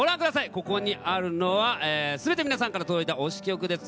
ここにあるのはすべて皆さんから届いた推し曲です。